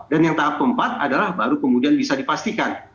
dan yang tahap keempat adalah baru kemudian bisa dipastikan